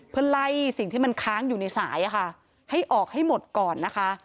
เพื่อไล่สิ่งที่มันค้างอยู่ในสายให้ออกให้หมดก่อนนะคะ